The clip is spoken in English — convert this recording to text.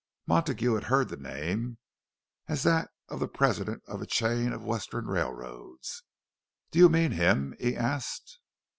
Montague had heard the name, as that of the president of a chain of Western railroads. "Do you mean him?" he asked.